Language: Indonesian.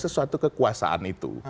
sesuatu kekuasaan itu